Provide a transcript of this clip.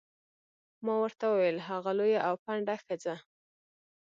ما ورته وویل: هغه لویه او پنډه ښځه.